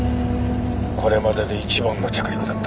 これまでで一番の着陸だった。